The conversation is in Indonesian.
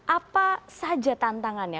apa saja tantangannya